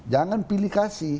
jangan pilih kasih